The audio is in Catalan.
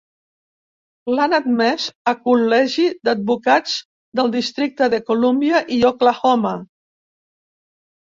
L'han admès a col·legi d'advocats del Districte de Colúmbia i Oklahoma.